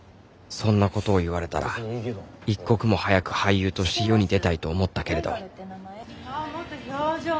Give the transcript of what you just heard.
そんなことを言われたら一刻も早く俳優として世に出たいと思ったけれどもっと表情つけて！